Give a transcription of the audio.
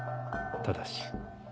ただし。